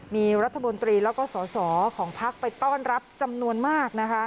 มีรัฐมนตรีแล้วก็สอสอของพักไปต้อนรับจำนวนมากนะคะ